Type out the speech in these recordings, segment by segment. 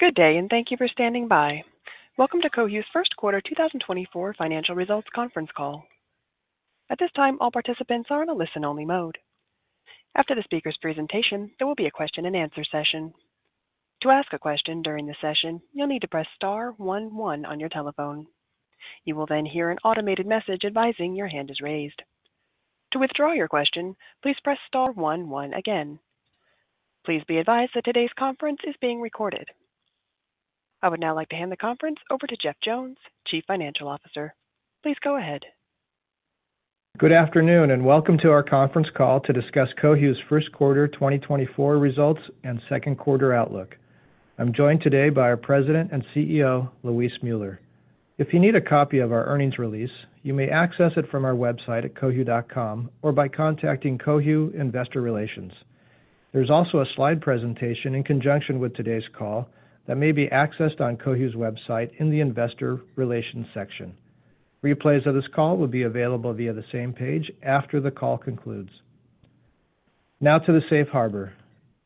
Good day, and thank you for standing by. Welcome to Cohu's first quarter 2024 financial results conference call. At this time, all participants are in a listen-only mode. After the speaker's presentation, there will be a question-and-answer session. To ask a question during the session, you'll need to press star 11 on your telephone. You will then hear an automated message advising your hand is raised. To withdraw your question, please press star 11 again. Please be advised that today's conference is being recorded. I would now like to hand the conference over to Jeff Jones, Chief Financial Officer. Please go ahead. Good afternoon, and welcome to our conference call to discuss Cohu's first quarter 2024 results and second quarter outlook. I'm joined today by our President and CEO, Luis Müller. If you need a copy of our earnings release, you may access it from our website at cohu.com or by contacting Cohu Investor Relations. There's also a slide presentation in conjunction with today's call that may be accessed on Cohu's website in the Investor Relations section. Replays of this call will be available via the same page after the call concludes. Now to the safe harbor.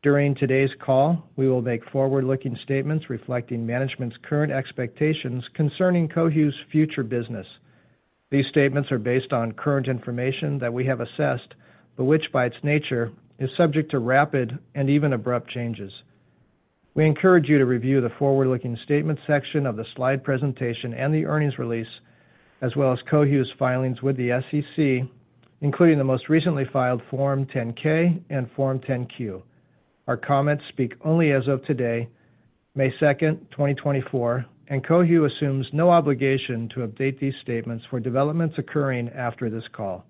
During today's call, we will make forward-looking statements reflecting management's current expectations concerning Cohu's future business. These statements are based on current information that we have assessed but which, by its nature, is subject to rapid and even abrupt changes. We encourage you to review the forward-looking statements section of the slide presentation and the earnings release, as well as Cohu's filings with the SEC, including the most recently filed Form 10-K and Form 10-Q. Our comments speak only as of today, May 2nd, 2024, and Cohu assumes no obligation to update these statements for developments occurring after this call.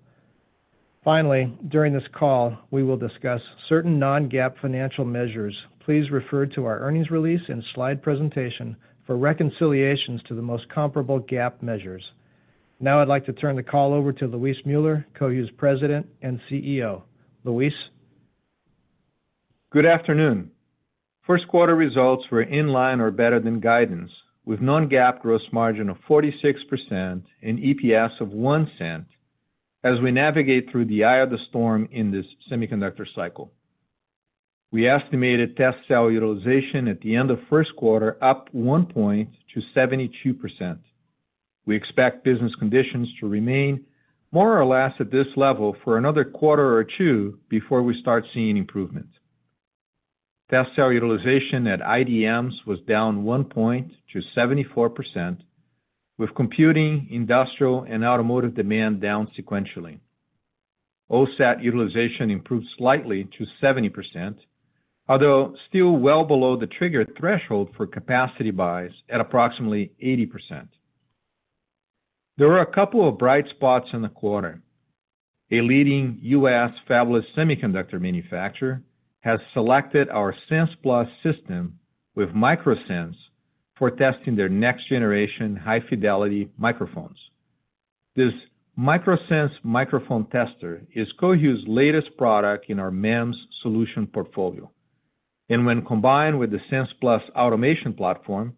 Finally, during this call, we will discuss certain non-GAAP financial measures. Please refer to our earnings release and slide presentation for reconciliations to the most comparable GAAP measures. Now I'd like to turn the call over to Luis Müller, Cohu's President and CEO. Luis? Good afternoon. First quarter results were in line or better than guidance, with non-GAAP gross margin of 46% and EPS of $0.01 as we navigate through the eye of the storm in this semiconductor cycle. We estimated test cell utilization at the end of first quarter up one point to 72%. We expect business conditions to remain more or less at this level for another quarter or two before we start seeing improvement. Test cell utilization at IDMs was down 1 point to 74%, with computing, industrial, and automotive demand down sequentially. OSAT utilization improved slightly to 70%, although still well below the trigger threshold for capacity buys at approximately 80%. There were a couple of bright spots in the quarter. A leading U.S. fabless semiconductor manufacturer has selected our Sense+ system with MicroSense for testing their next-generation high-fidelity microphones. This MicroSense microphone tester is Cohu's latest product in our MEMS solution portfolio and, when combined with the Sense+ automation platform,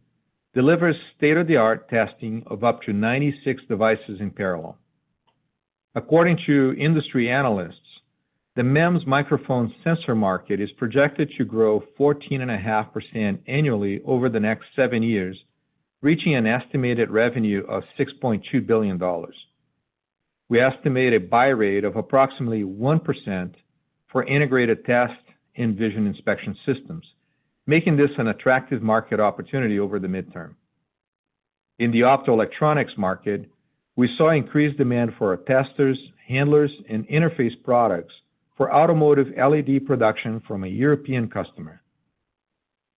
delivers state-of-the-art testing of up to 96 devices in parallel. According to industry analysts, the MEMS microphone sensor market is projected to grow 14.5% annually over the next seven years, reaching an estimated revenue of $6.2 billion. We estimate a buy rate of approximately 1% for integrated test and vision inspection systems, making this an attractive market opportunity over the midterm. In the optoelectronics market, we saw increased demand for testers, handlers, and interface products for automotive LED production from a European customer.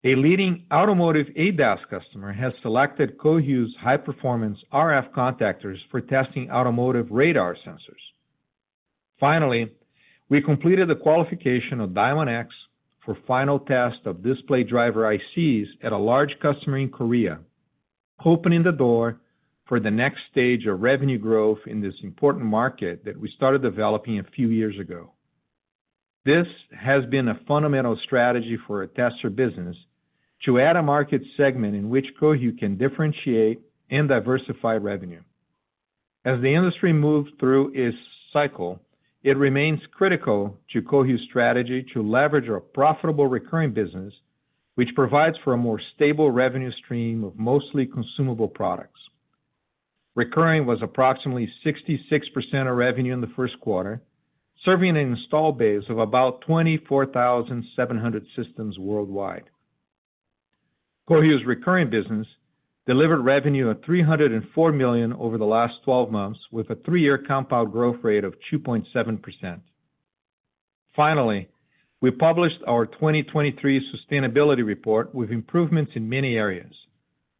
A leading automotive ADAS customer has selected Cohu's high-performance RF contactors for testing automotive radar sensors. Finally, we completed the qualification of Diamondx for final test of display driver ICs at a large customer in Korea, opening the door for the next stage of revenue growth in this important market that we started developing a few years ago. This has been a fundamental strategy for a tester business to add a market segment in which Cohu can differentiate and diversify revenue. As the industry moves through its cycle, it remains critical to Cohu's strategy to leverage a profitable recurring business, which provides for a more stable revenue stream of mostly consumable products. Recurring was approximately 66% of revenue in the first quarter, serving an installed base of about 24,700 systems worldwide. Cohu's recurring business delivered revenue of $304 million over the last 12 months, with a three-year compound growth rate of 2.7%. Finally, we published our 2023 sustainability report with improvements in many areas.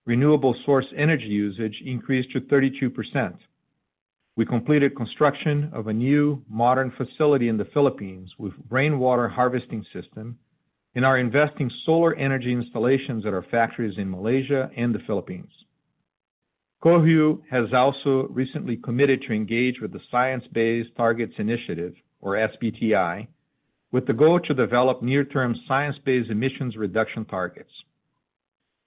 Renewable source energy usage increased to 32%. We completed construction of a new modern facility in the Philippines with rainwater harvesting system and are investing solar energy installations at our factories in Malaysia and the Philippines. Cohu has also recently committed to engage with the Science Based Targets initiative, or SBTi, with the goal to develop near-term science-based emissions reduction targets.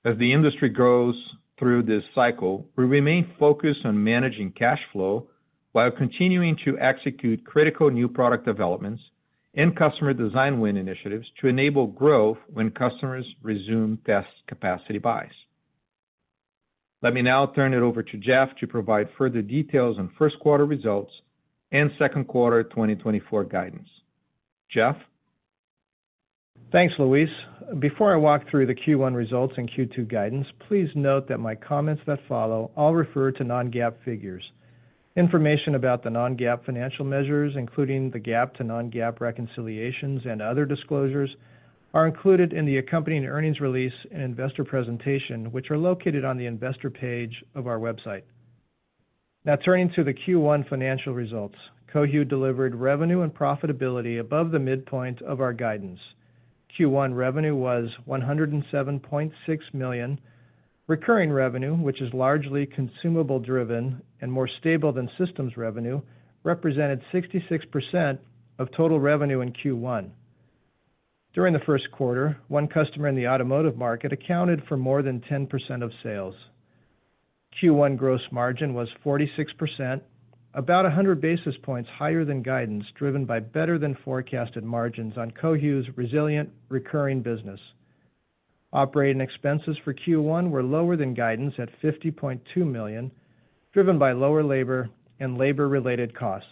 As the industry grows through this cycle, we remain focused on managing cash flow while continuing to execute critical new product developments and customer design win initiatives to enable growth when customers resume test capacity buys. Let me now turn it over to Jeff to provide further details on first quarter results and second quarter 2024 guidance. Jeff? Thanks, Luis. Before I walk through the Q1 results and Q2 guidance, please note that my comments that follow all refer to non-GAAP figures. Information about the non-GAAP financial measures, including the GAAP to non-GAAP reconciliations and other disclosures, are included in the accompanying earnings release and investor presentation, which are located on the investor page of our website. Now turning to the Q1 financial results. Cohu delivered revenue and profitability above the midpoint of our guidance. Q1 revenue was $107.6 million. Recurring revenue, which is largely consumable-driven and more stable than systems revenue, represented 66% of total revenue in Q1. During the first quarter, one customer in the automotive market accounted for more than 10% of sales. Q1 gross margin was 46%, about 100 basis points higher than guidance, driven by better-than-forecasted margins on Cohu's resilient recurring business. Operating expenses for Q1 were lower than guidance at $50.2 million, driven by lower labor and labor-related costs.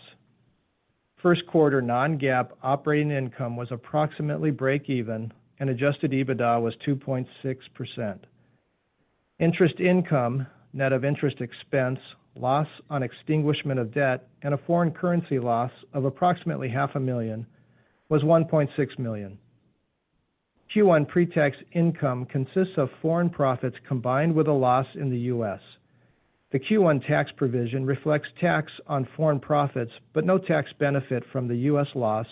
First quarter non-GAAP operating income was approximately break-even, and adjusted EBITDA was 2.6%. Interest income net of interest expense, loss on extinguishment of debt, and a foreign currency loss of approximately $500,000 was $1.6 million. Q1 pre-tax income consists of foreign profits combined with a loss in the U.S. The Q1 tax provision reflects tax on foreign profits but no tax benefit from the U.S. loss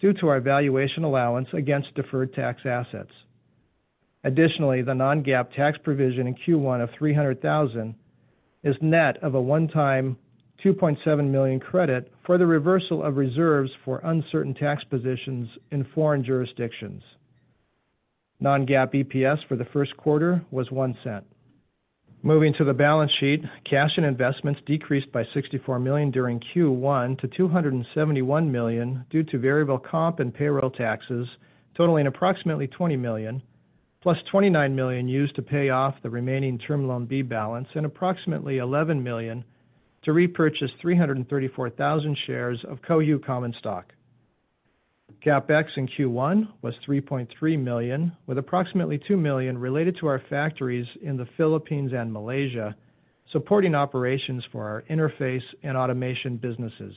due to our valuation allowance against deferred tax assets. Additionally, the non-GAAP tax provision in Q1 of $300,000 is net of a one-time $2.7 million credit for the reversal of reserves for uncertain tax positions in foreign jurisdictions. Non-GAAP EPS for the first quarter was $0.01. Moving to the balance sheet, cash and investments decreased by $64 million during Q1-$271 million due to variable comp and payroll taxes, totaling approximately $20 million,+$29 million used to pay off the remaining Term Loan B balance and approximately $11 million to repurchase 334,000 shares of Cohu Common Stock. GAAP CapEx in Q1 was $3.3 million, with approximately $2 million related to our factories in the Philippines and Malaysia supporting operations for our interface and automation businesses.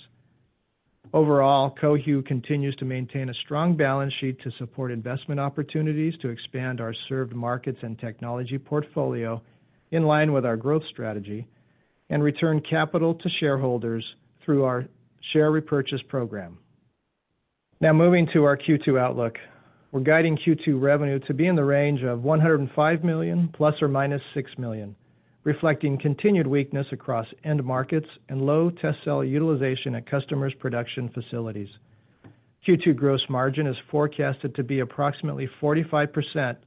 Overall, Cohu continues to maintain a strong balance sheet to support investment opportunities to expand our served markets and technology portfolio in line with our growth strategy and return capital to shareholders through our share repurchase program. Now moving to our Q2 outlook. We're guiding Q2 revenue to be in the range of $105 million ± $6 million, reflecting continued weakness across end markets and low test cell utilization at customers' production facilities. Q2 gross margin is forecasted to be approximately 45%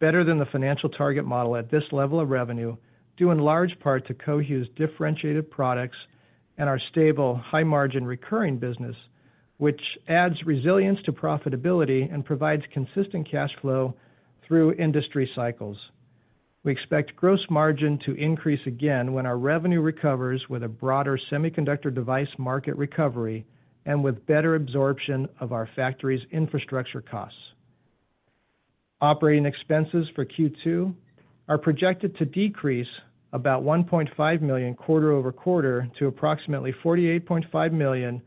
better than the financial target model at this level of revenue, due in large part to Cohu's differentiated products and our stable, high-margin recurring business, which adds resilience to profitability and provides consistent cash flow through industry cycles. We expect gross margin to increase again when our revenue recovers with a broader semiconductor device market recovery and with better absorption of our factory's infrastructure costs. Operating expenses for Q2 are projected to decrease about $1.5 million quarter-over-quarter to approximately $48.5 million,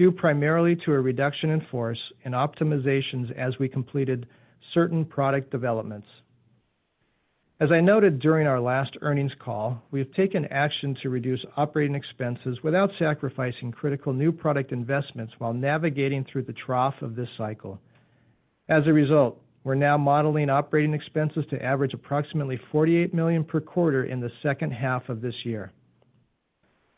due primarily to a reduction in force and optimizations as we completed certain product developments. As I noted during our last earnings call, we have taken action to reduce operating expenses without sacrificing critical new product investments while navigating through the trough of this cycle. As a result, we're now modeling operating expenses to average approximately $48 million per quarter in the second half of this year.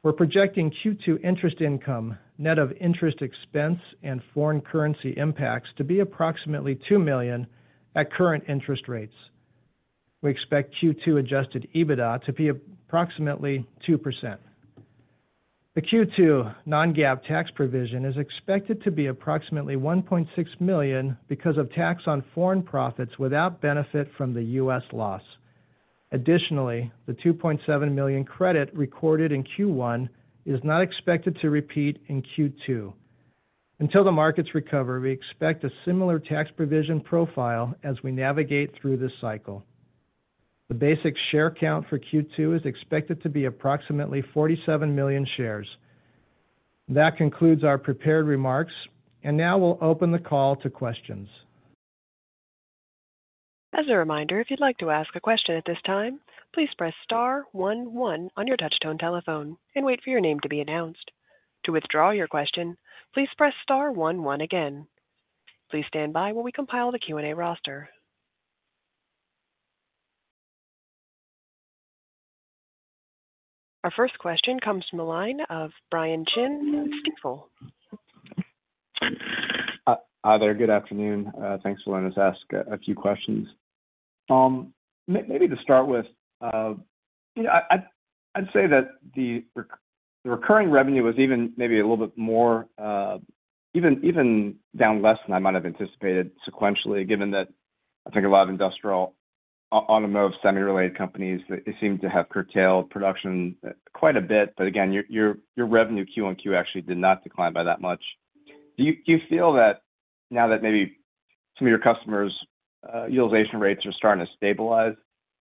We're projecting Q2 interest income net of interest expense and foreign currency impacts to be approximately $2 million at current interest rates. We expect Q2 adjusted EBITDA to be approximately 2%. The Q2 non-GAAP tax provision is expected to be approximately $1.6 million because of tax on foreign profits without benefit from the U.S. loss. Additionally, the $2.7 million credit recorded in Q1 is not expected to repeat in Q2. Until the markets recover, we expect a similar tax provision profile as we navigate through this cycle. The basic share count for Q2 is expected to be approximately 47 million shares. That concludes our prepared remarks, and now we'll open the call to questions. As a reminder, if you'd like to ask a question at this time, please press star 11 on your touch-tone telephone and wait for your name to be announced. To withdraw your question, please press star 11 again. Please stand by while we compile the Q&A roster. Our first question comes from the line of Brian Chin, Stifel. Hi there. Good afternoon. Thanks for letting us ask a few questions. Maybe to start with, I'd say that the recurring revenue was even maybe a little bit more even down less than I might have anticipated sequentially, given that I think a lot of industrial, automotive, semi-related companies, it seemed to have curtailed production quite a bit. But again, your revenue Q1-Q2 actually did not decline by that much. Do you feel that now that maybe some of your customers' utilization rates are starting to stabilize,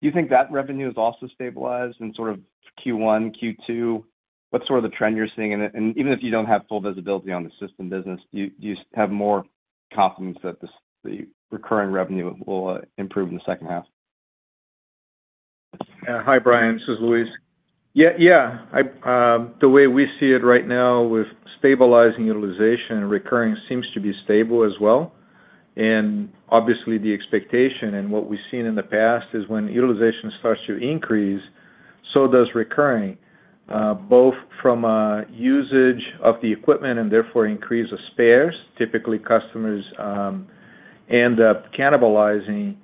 do you think that revenue has also stabilized in sort of Q1, Q2? What's sort of the trend you're seeing? And even if you don't have full visibility on the system business, do you have more confidence that the recurring revenue will improve in the second half? Hi Brian. This is Luis. Yeah. The way we see it right now with stabilizing utilization, recurring seems to be stable as well. And obviously, the expectation and what we've seen in the past is when utilization starts to increase, so does recurring, both from usage of the equipment and therefore increase of spares. Typically, customers end up cannibalizing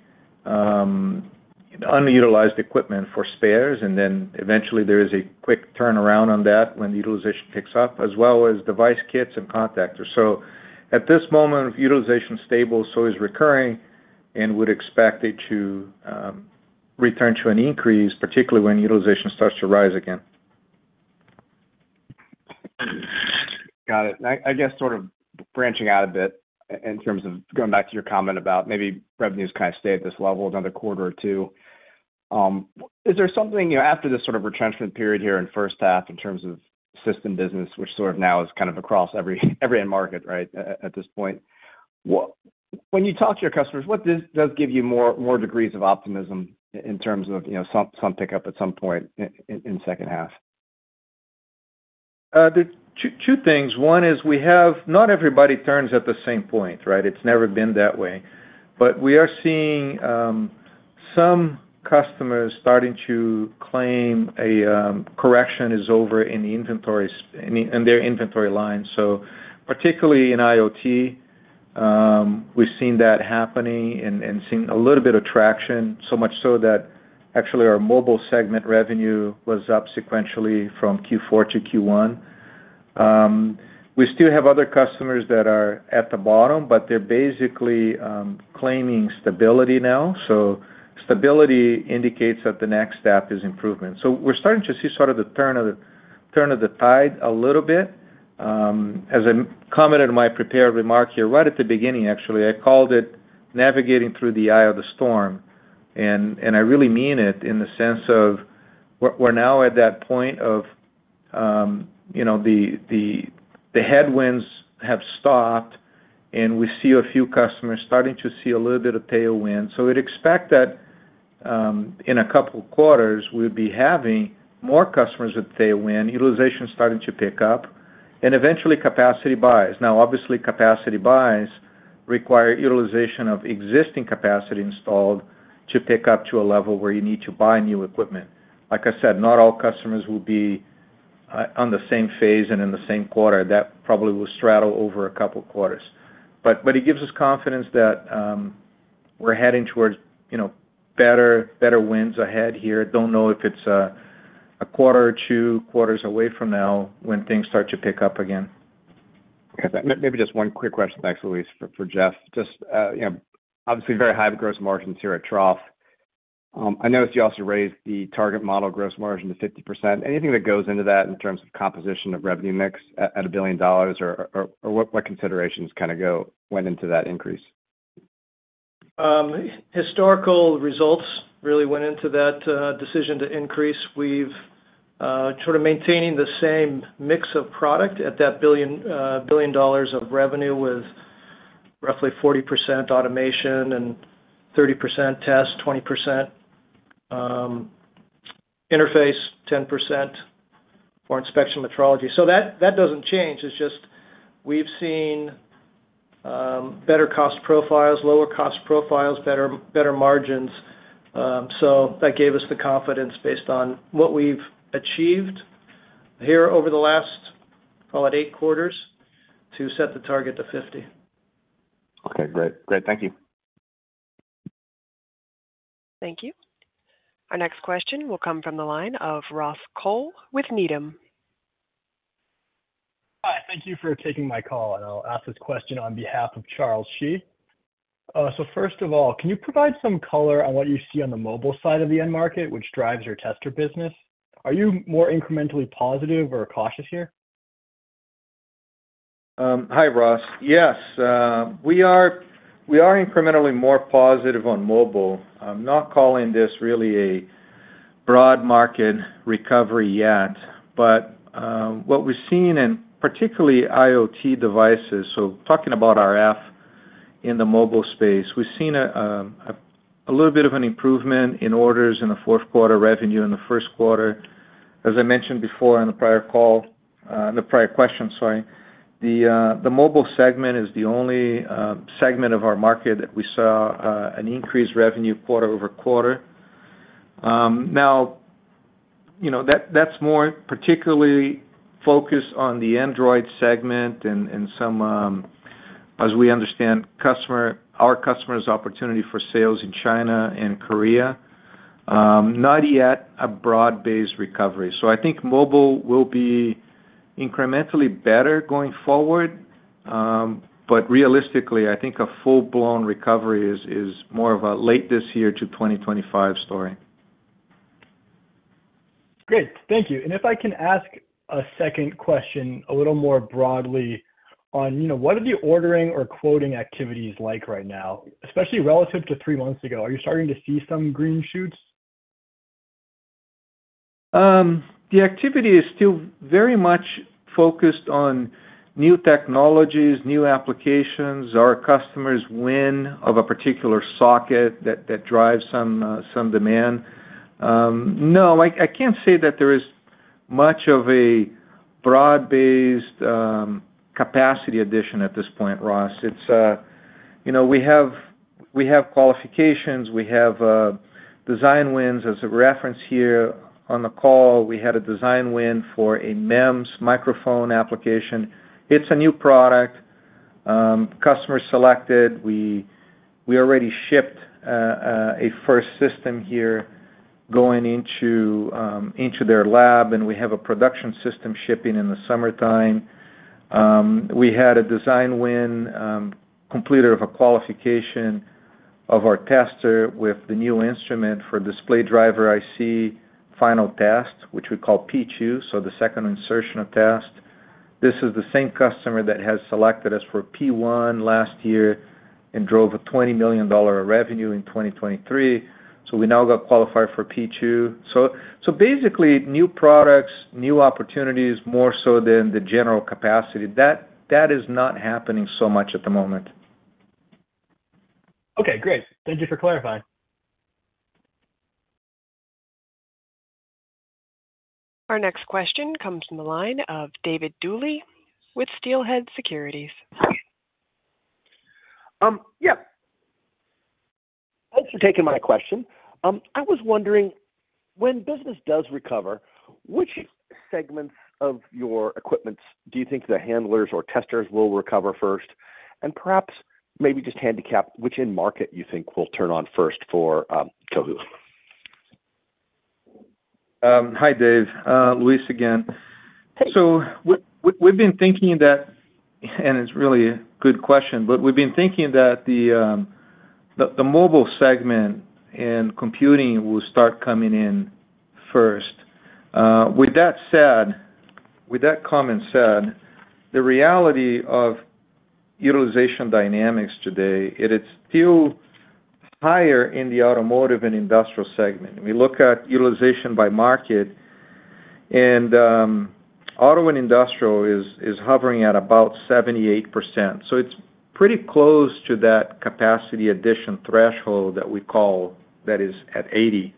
unutilized equipment for spares, and then eventually, there is a quick turnaround on that when utilization picks up, as well as device kits and contactors. So at this moment, utilization is stable, so is recurring, and would expect it to return to an increase, particularly when utilization starts to rise again. Got it. And I guess sort of branching out a bit in terms of going back to your comment about maybe revenues kind of stay at this level another quarter or two, is there something after this sort of retrenchment period here in first half in terms of system business, which sort of now is kind of across every end market, right, at this point? When you talk to your customers, what does give you more degrees of optimism in terms of some pickup at some point in second half? There are two things. One is not everybody turns at the same point, right? It's never been that way. But we are seeing some customers starting to claim a correction is over in their inventory lines. So particularly in IoT, we've seen that happening and seen a little bit of traction, so much so that actually, our mobile segment revenue was up sequentially from Q4 to Q1. We still have other customers that are at the bottom, but they're basically claiming stability now. So stability indicates that the next step is improvement. So we're starting to see sort of the turn of the tide a little bit. As I commented in my prepared remark here right at the beginning, actually, I called it navigating through the eye of the storm. I really mean it in the sense of we're now at that point of the headwinds have stopped, and we see a few customers starting to see a little bit of tailwind. So we'd expect that in a couple of quarters, we would be having more customers with tailwind, utilization starting to pick up, and eventually, capacity buys. Now, obviously, capacity buys require utilization of existing capacity installed to pick up to a level where you need to buy new equipment. Like I said, not all customers will be on the same phase and in the same quarter. That probably will straddle over a couple of quarters. But it gives us confidence that we're heading towards better winds ahead here. Don't know if it's a quarter or two quarters away from now when things start to pick up again. Okay. Maybe just one quick question. Thanks, Luis, for Jeff. Just obviously, very high gross margins here at Cohu. I noticed you also raised the target model gross margin to 50%. Anything that goes into that in terms of composition of revenue mix at $1 billion, or what considerations kind of went into that increase? Historical results really went into that decision to increase. We've sort of maintained the same mix of product at that $1 billion of revenue with roughly 40% automation and 30% test, 20% interface, 10% for inspection metrology. So that doesn't change. It's just we've seen better cost profiles, lower cost profiles, better margins. So that gave us the confidence based on what we've achieved here over the last, call it, eight quarters to set the target to 50. Okay. Great. Great. Thank you. Thank you. Our next question will come from the line of Ross Cole with Needham. Hi. Thank you for taking my call. I'll ask this question on behalf of Charles Shi. First of all, can you provide some color on what you see on the mobile side of the end market, which drives your tester business? Are you more incrementally positive or cautious here? Hi, Ross. Yes. We are incrementally more positive on mobile. I'm not calling this really a broad market recovery yet. But what we've seen particularly in IoT devices, so talking about RF in the mobile space, we've seen a little bit of an improvement in orders in the fourth quarter, revenue in the first quarter. As I mentioned before in the prior call in the prior question, sorry, the mobile segment is the only segment of our market that we saw an increased revenue quarter-over-quarter. Now, that's more particularly focused on the Android segment and some, as we understand, our customers' opportunity for sales in China and Korea, not yet a broad-based recovery. So I think mobile will be incrementally better going forward. But realistically, I think a full-blown recovery is more of a late this year to 2025 story. Great. Thank you. If I can ask a second question a little more broadly on what are the ordering or quoting activities like right now, especially relative to three months ago? Are you starting to see some green shoots? The activity is still very much focused on new technologies, new applications, our customers' win of a particular socket that drives some demand. No, I can't say that there is much of a broad-based capacity addition at this point, Ross. We have qualifications. We have design wins as a reference here on the call. We had a design win for a MEMS microphone application. It's a new product. Customer selected. We already shipped a first system here going into their lab, and we have a production system shipping in the summertime. We had a design win, completion of a qualification of our tester with the new instrument for display driver IC final test, which we call P2, so the second insertion of test. This is the same customer that has selected us for P1 last year and drove a $20 million revenue in 2023. We now got qualified for P2. Basically, new products, new opportunities more so than the general capacity. That is not happening so much at the moment. Okay. Great. Thank you for clarifying. Our next question comes from the line of David Dooley with Steelhead Securities. Yeah. Thanks for taking my question. I was wondering, when business does recover, which segments of your equipment do you think the handlers or testers will recover first? And perhaps maybe just handicap, which end market you think will turn on first for Cohu? Hi, Dave. Luis again. So we've been thinking that and it's really a good question, but we've been thinking that the mobile segment and computing will start coming in first. With that comment said, the reality of utilization dynamics today, it is still higher in the automotive and industrial segment. We look at utilization by market, and auto and industrial is hovering at about 78%. So it's pretty close to that capacity addition threshold that we call that is at 80,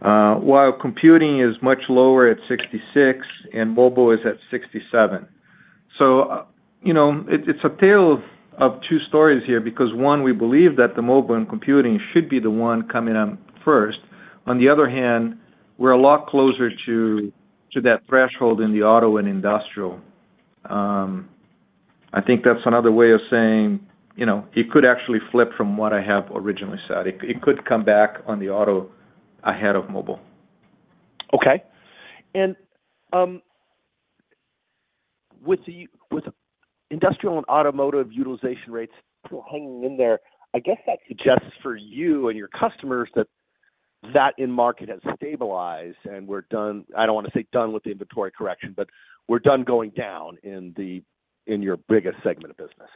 while computing is much lower at 66%, and mobile is at 67%. So it's a tale of two stories here because, one, we believe that the mobile and computing should be the one coming up first. On the other hand, we're a lot closer to that threshold in the auto and industrial. I think that's another way of saying it could actually flip from what I have originally said. It could come back on the auto ahead of mobile. Okay. And with industrial and automotive utilization rates still hanging in there, I guess that suggests for you and your customers that that end market has stabilized, and we're done I don't want to say done with the inventory correction, but we're done going down in your biggest segment of business.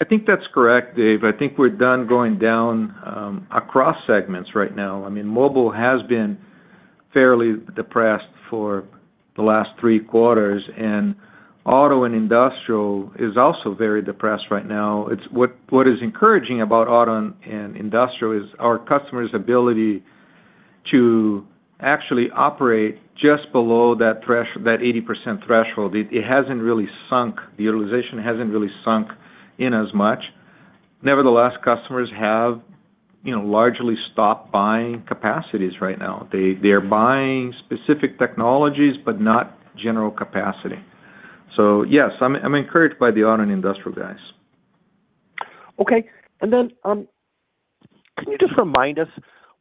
I think that's correct, Dave. I think we're done going down across segments right now. I mean, mobile has been fairly depressed for the last three quarters, and auto and industrial is also very depressed right now. What is encouraging about auto and industrial is our customers' ability to actually operate just below that 80% threshold. It hasn't really sunk. The utilization hasn't really sunk in as much. Nevertheless, customers have largely stopped buying capacities right now. They are buying specific technologies but not general capacity. So yes, I'm encouraged by the auto and industrial guys. Okay. And then can you just remind us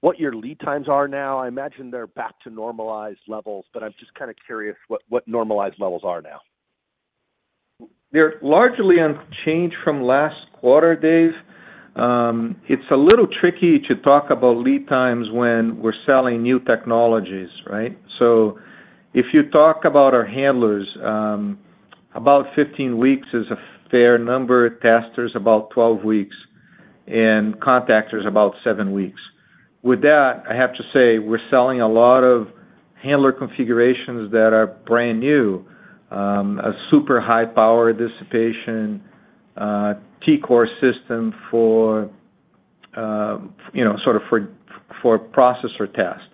what your lead times are now? I imagine they're back to normalized levels, but I'm just kind of curious what normalized levels are now. They're largely unchanged from last quarter, Dave. It's a little tricky to talk about lead times when we're selling new technologies, right? So if you talk about our handlers, about 15 weeks is a fair number. Testers, about 12 weeks, and contactors, about seven weeks. With that, I have to say we're selling a lot of handler configurations that are brand new, a super high-power dissipation T-Core system sort of for processor test.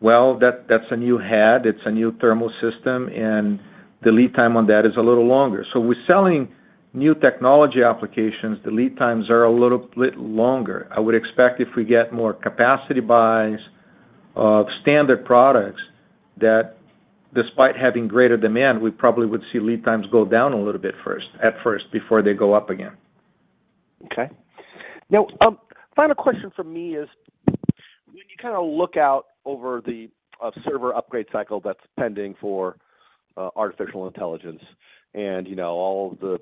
Well, that's a new head. It's a new thermal system, and the lead time on that is a little longer. So we're selling new technology applications. The lead times are a little bit longer. I would expect if we get more capacity buys of standard products that despite having greater demand, we probably would see lead times go down a little bit at first before they go up again. Okay. Now, final question from me is when you kind of look out over the server upgrade cycle that's pending for artificial intelligence and all of the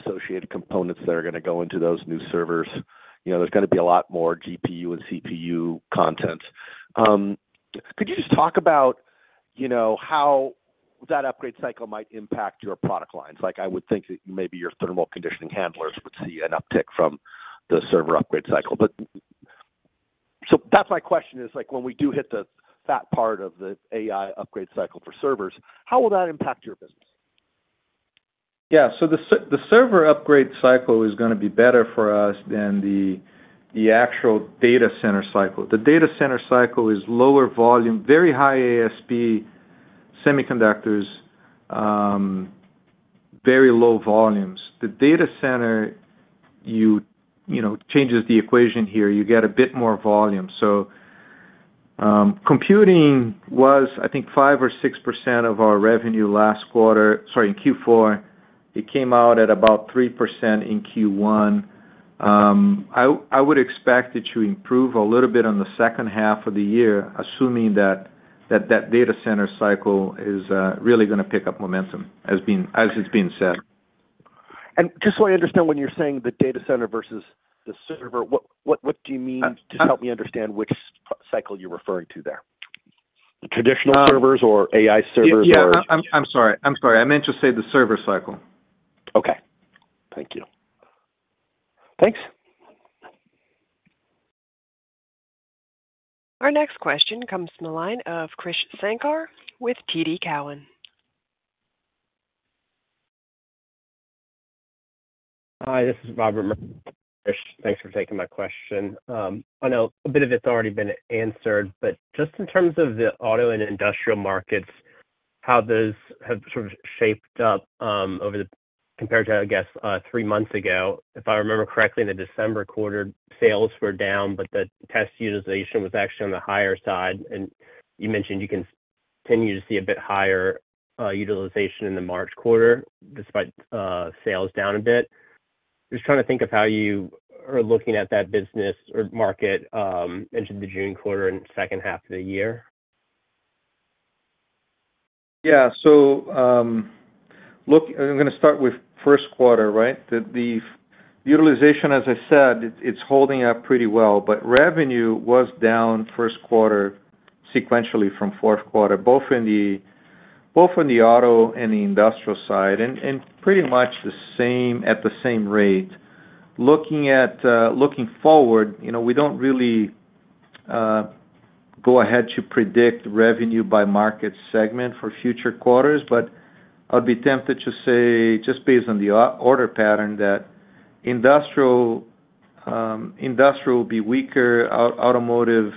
associated components that are going to go into those new servers, there's going to be a lot more GPU and CPU content. Could you just talk about how that upgrade cycle might impact your product lines? I would think that maybe your thermal conditioning handlers would see an uptick from the server upgrade cycle. So that's my question is when we do hit the fat part of the AI upgrade cycle for servers, how will that impact your business? Yeah. So the server upgrade cycle is going to be better for us than the actual data center cycle. The data center cycle is lower volume, very high ASP semiconductors, very low volumes. The data center, you change the equation here. You get a bit more volume. So computing was, I think, 5% or 6% of our revenue last quarter, sorry, in Q4. It came out at about 3% in Q1. I would expect it to improve a little bit on the second half of the year assuming that that data center cycle is really going to pick up momentum, as it's been said. Just so I understand when you're saying the data center versus the server, what do you mean? Just help me understand which cycle you're referring to there. Traditional servers or AI servers or? Yeah. I'm sorry. I'm sorry. I meant to say the server cycle. Okay. Thank you. Thanks. Our next question comes from the line of Krish Sankar with TD Cowen. Hi. This is Robert Murphy. Thanks for taking my question. I know a bit of it's already been answered, but just in terms of the auto and industrial markets, how those have sort of shaped up compared to, I guess, three months ago? If I remember correctly, in the December quarter, sales were down, but the test utilization was actually on the higher side. And you mentioned you continue to see a bit higher utilization in the March quarter despite sales down a bit. Just trying to think of how you are looking at that business or market into the June quarter and second half of the year? Yeah. So I'm going to start with first quarter, right? The utilization, as I said, it's holding up pretty well, but revenue was down first quarter sequentially from fourth quarter, both on the auto and the industrial side and pretty much at the same rate. Looking forward, we don't really go ahead to predict revenue by market segment for future quarters, but I'd be tempted to say just based on the order pattern that industrial will be weaker. Automotive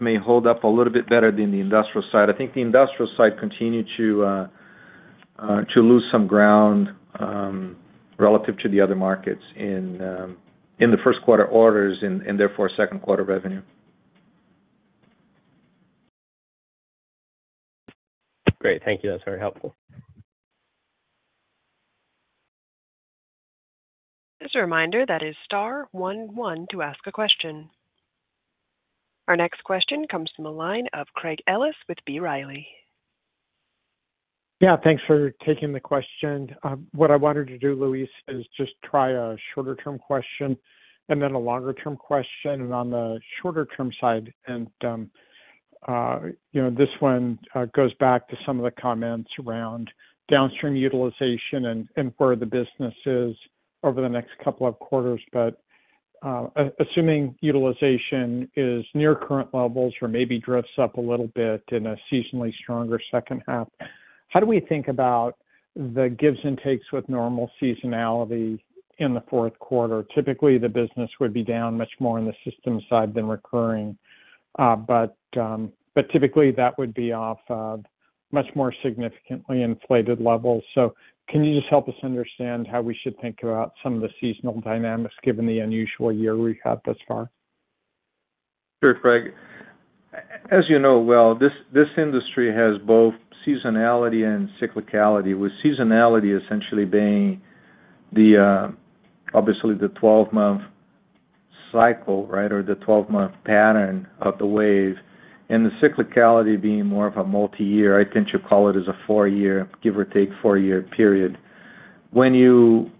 may hold up a little bit better than the industrial side. I think the industrial side continue to lose some ground relative to the other markets in the first quarter orders and therefore second quarter revenue. Great. Thank you. That's very helpful. Just a reminder, that is star 11 to ask a question. Our next question comes from the line of Craig Ellis with B. Riley. Yeah. Thanks for taking the question. What I wanted to do, Luis, is just try a shorter-term question and then a longer-term question. And on the shorter-term side, and this one goes back to some of the comments around downstream utilization and where the business is over the next couple of quarters. But assuming utilization is near current levels or maybe drifts up a little bit in a seasonally stronger second half, how do we think about the gives and takes with normal seasonality in the fourth quarter? Typically, the business would be down much more on the system side than recurring. But typically, that would be off of much more significantly inflated levels. So can you just help us understand how we should think about some of the seasonal dynamics given the unusual year we've had thus far? Sure, Craig. As you know well, this industry has both seasonality and cyclicality, with seasonality essentially being obviously the 12-month cycle, right, or the 12-month pattern of the wave and the cyclicality being more of a multi-year. I tend to call it as a four-year, give or take four-year period. When you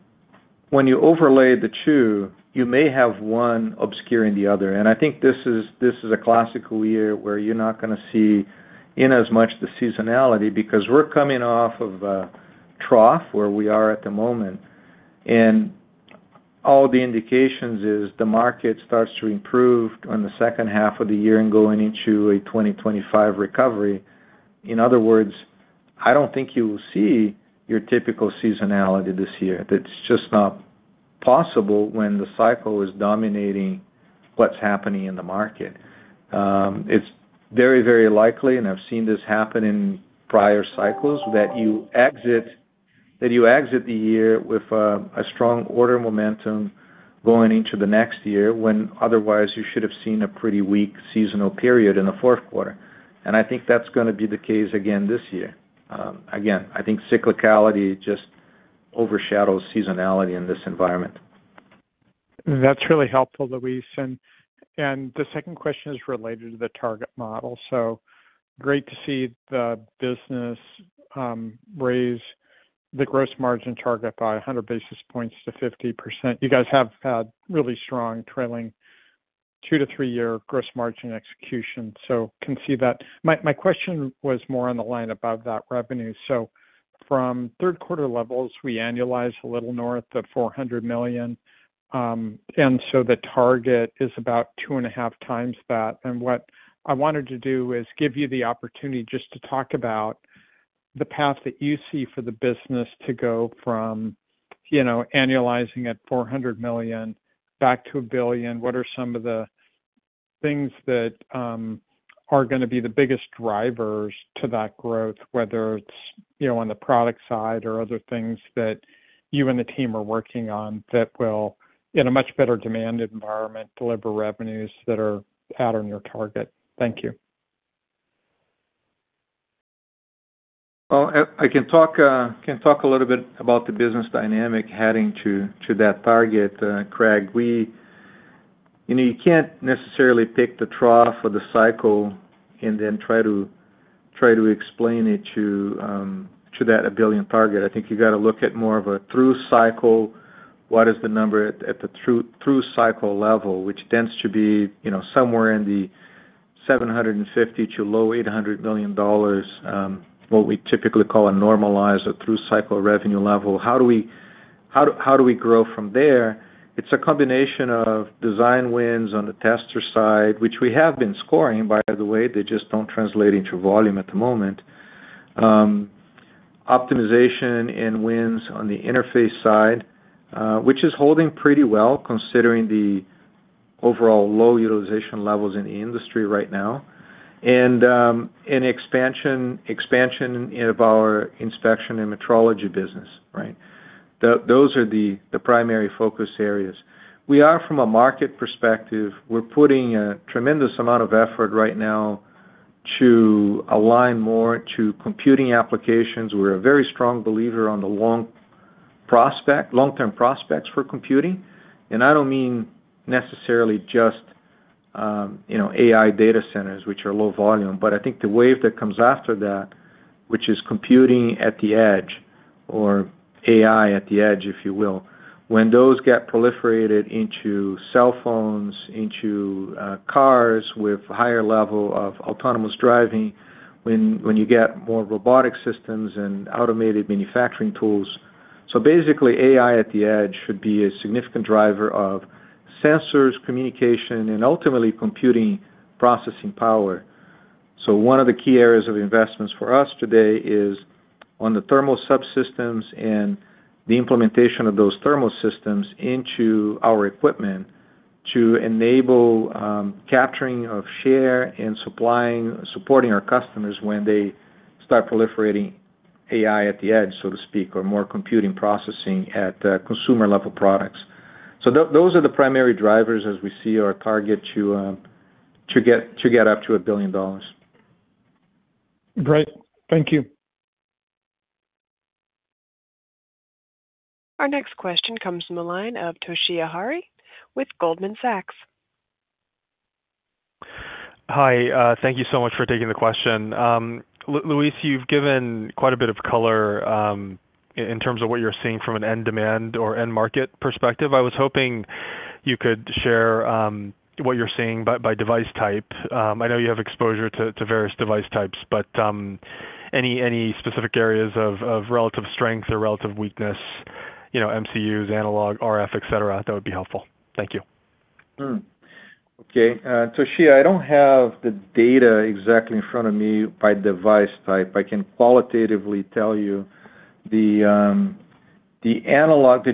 overlay the two, you may have one obscuring the other. And I think this is a classical year where you're not going to see in as much the seasonality because we're coming off of a trough where we are at the moment. And all the indications is the market starts to improve on the second half of the year and going into a 2025 recovery. In other words, I don't think you will see your typical seasonality this year. That's just not possible when the cycle is dominating what's happening in the market. It's very, very likely, and I've seen this happen in prior cycles, that you exit the year with a strong order momentum going into the next year when otherwise, you should have seen a pretty weak seasonal period in the fourth quarter. I think that's going to be the case again this year. Again, I think cyclicality just overshadows seasonality in this environment. That's really helpful, Luis. The second question is related to the target model. Great to see the business raise the gross margin target by 100 basis points to 50%. You guys have had really strong trailing two to three-year gross margin execution, so can see that. My question was more on the line above that revenue. From third-quarter levels, we annualize a little north of $400 million. The target is about two and a half times that. What I wanted to do is give you the opportunity just to talk about the path that you see for the business to go from annualizing at $400 million back to $1 billion. What are some of the things that are going to be the biggest drivers to that growth, whether it's on the product side or other things that you and the team are working on that will, in a much better demanded environment, deliver revenues that are at or near target? Thank you. Well, I can talk a little bit about the business dynamic heading to that target. Craig, you can't necessarily pick the trough or the cycle and then try to explain it to that $1 billion target. I think you got to look at more of a through cycle. What is the number at the through cycle level, which tends to be somewhere in the $750 million-low $800 million, what we typically call a normalized or through cycle revenue level? How do we grow from there? It's a combination of design wins on the tester side, which we have been scoring, by the way. They just don't translate into volume at the moment, optimization, and wins on the interface side, which is holding pretty well considering the overall low utilization levels in the industry right now, and expansion of our inspection and metrology business, right? Those are the primary focus areas. We are, from a market perspective, we're putting a tremendous amount of effort right now to align more to computing applications. We're a very strong believer on the long-term prospects for computing. I don't mean necessarily just AI data centers, which are low volume, but I think the wave that comes after that, which is computing at the edge or AI at the edge, if you will, when those get proliferated into cell phones, into cars with higher level of autonomous driving, when you get more robotic systems and automated manufacturing tools. So basically, AI at the edge should be a significant driver of sensors, communication, and ultimately computing processing power. So one of the key areas of investments for us today is on the thermal subsystems and the implementation of those thermal systems into our equipment to enable capturing of share and supporting our customers when they start proliferating AI at the edge, so to speak, or more computing processing at consumer-level products. So those are the primary drivers, as we see, our target to get up to $1 billion. Great. Thank you. Our next question comes from the line of Toshiya Hari with Goldman Sachs. Hi. Thank you so much for taking the question. Luis, you've given quite a bit of color in terms of what you're seeing from an end demand or end market perspective. I was hoping you could share what you're seeing by device type. I know you have exposure to various device types, but any specific areas of relative strength or relative weakness, MCUs, analog, RF, etc., that would be helpful. Thank you. Okay. Toshiya, I don't have the data exactly in front of me by device type. I can qualitatively tell you the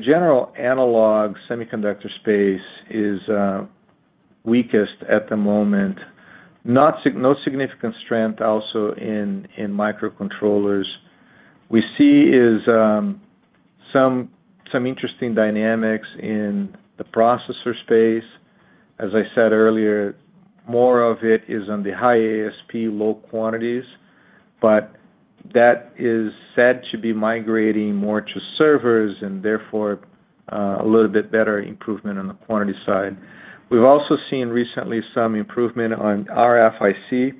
general analog semiconductor space is weakest at the moment, no significant strength also in microcontrollers. We see some interesting dynamics in the processor space. As I said earlier, more of it is on the high ASP, low quantities, but that is said to be migrating more to servers and therefore a little bit better improvement on the quantity side. We've also seen recently some improvement on RFIC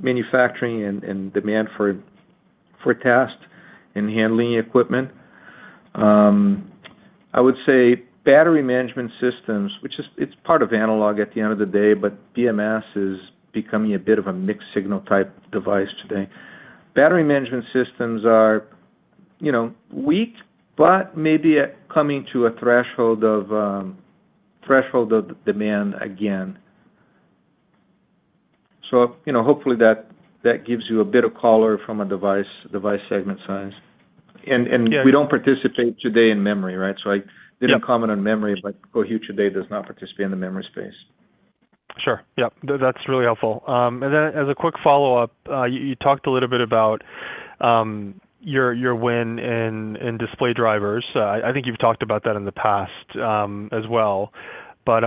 manufacturing and demand for test and handling equipment. I would say battery management systems, which is part of analog at the end of the day, but BMS is becoming a bit of a mixed signal type device today. Battery management systems are weak but maybe coming to a threshold of demand again. Hopefully, that gives you a bit of color from a device segment size. We don't participate today in memory, right? I didn't comment on memory, but Cohu today does not participate in the memory space. Sure. Yep. That's really helpful. And then as a quick follow-up, you talked a little bit about your win in display drivers. I think you've talked about that in the past as well. But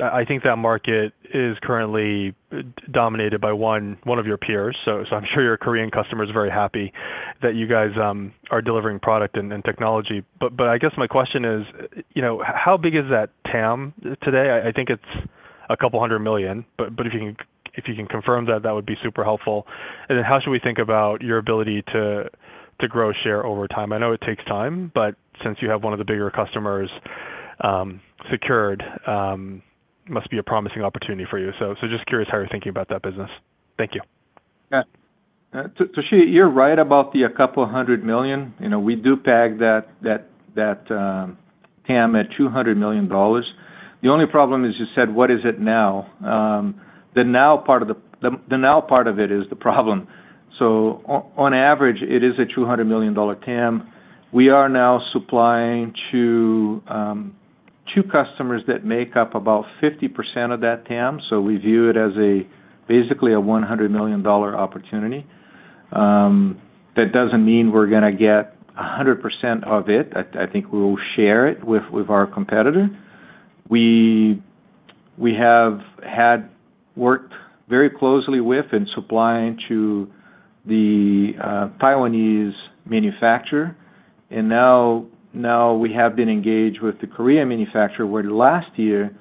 I think that market is currently dominated by one of your peers. So I'm sure your Korean customer is very happy that you guys are delivering product and technology. But I guess my question is, how big is that TAM today? I think it's $200 million. But if you can confirm that, that would be super helpful. And then how should we think about your ability to grow share over time? I know it takes time, but since you have one of the bigger customers secured, it must be a promising opportunity for you. So just curious how you're thinking about that business. Thank you. Yeah. Toshiya, you're right about the $200 million. We do peg that TAM at $200 million. The only problem is you said what is it now. The now part of the now part of it is the problem. So on average, it is a $200 million TAM. We are now supplying to two customers that make up about 50% of that TAM. So we view it as basically a $100 million opportunity. That doesn't mean we're going to get 100% of it. I think we will share it with our competitor. We have worked very closely with and supplying to the Taiwanese manufacturer. And now we have been engaged with the Korean manufacturer where last year,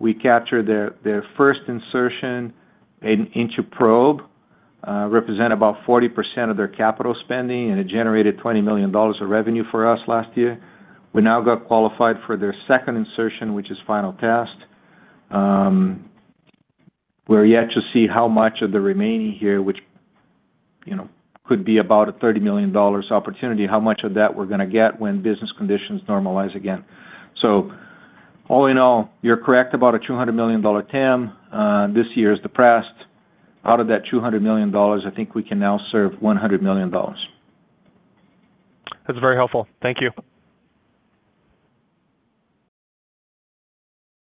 we captured their first insertion into probe, represented about 40% of their capital spending, and it generated $20 million of revenue for us last year. We now got qualified for their second insertion, which is final test. We're yet to see how much of the remaining here, which could be about a $30 million opportunity, how much of that we're going to get when business conditions normalize again. So all in all, you're correct about a $200 million TAM. This year is the past. Out of that $200 million, I think we can now serve $100 million. That's very helpful. Thank you.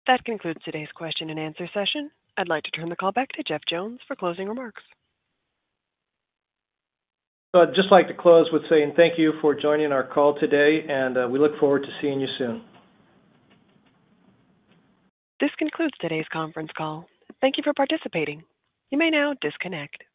That concludes today's question and answer session. I'd like to turn the call back to Jeff Jones for closing remarks. I'd just like to close with saying thank you for joining our call today. We look forward to seeing you soon. This concludes today's conference call. Thank you for participating. You may now disconnect.